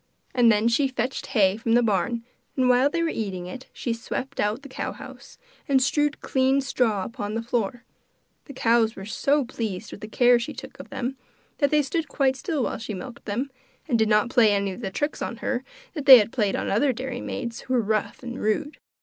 And then she fetched hay from the barn, and while they were eating it, she swept out the cow house, and strewed clean straw upon the floor. The cows were so pleased with the care she took of them that they stood quite still while she milked them, and did not play any of the tricks on her that they had played on other dairymaids who were rough and rude.